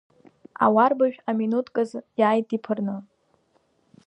Ауарбажә аминуҭк азы иааит иԥырны.